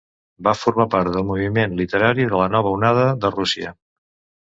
Va formar part del moviment literari de la Nova Onada de Rússia.